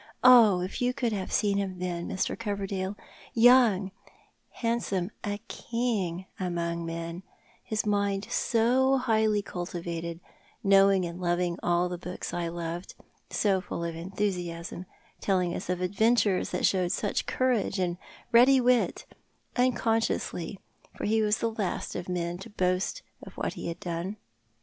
Oh, if you could have seen him then, Mr. Coverdale — young, handsome, a king among men — his mind so highly cultivated— kuowing and loviug all the books I loved. So full of enthusiasm—telling us of adventures that showed such courage and ready wit — unconsciously, for he was the last of men to boast of what he had done.